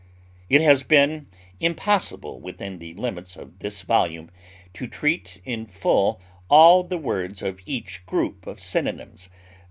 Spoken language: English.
It has been impossible within the limits of this volume to treat in full all the words of each group of synonyms.